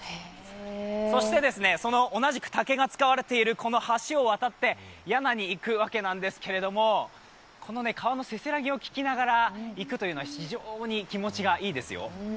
そして同じく竹が使われているこの橋を渡ってやなに行くわけなんですけれど、この川のせせらぎを聞きながら行くというのは非常に気持ちがいいですよ。